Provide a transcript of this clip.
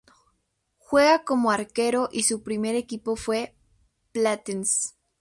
Juega como arquero y su primer equipo fue Platense.